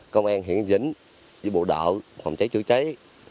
công an hiện dính với bộ đội phòng cháy chữa cháy